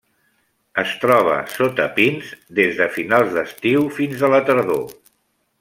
Es troba sota pins des de finals d'estiu fins a la tardor.